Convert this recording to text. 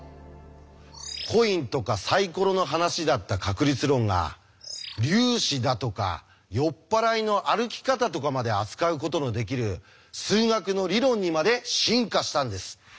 コインとかサイコロの話だった確率論が粒子だとか酔っ払いの歩き方とかまで扱うことのできる数学の理論にまで進化したんです。